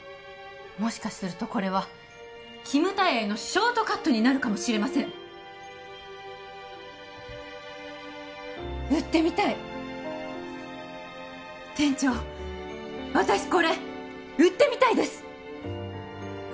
もしかするとこれはキムタヤへのショートカットになるかもしれません売ってみたい店長私これ売ってみたいです！